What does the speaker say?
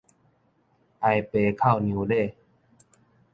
哀爸哭娘嬭